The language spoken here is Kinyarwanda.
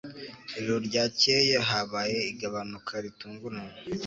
Ijoro ryakeye habaye igabanuka ritunguranye